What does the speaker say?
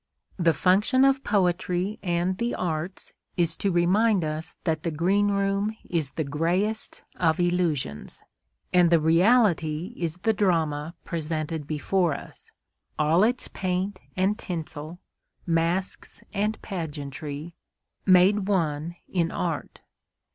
The function of poetry and the arts is to remind us that the greenroom is the greyest of illusions, and the reality is the drama presented before us, all its paint and tinsel, masks and pageantry, made one in art.